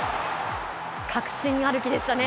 確信歩きでしたね。